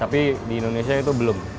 tapi di indonesia itu belum